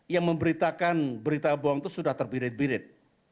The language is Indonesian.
yang memberitakan berita bohong itu sudah terbirit birit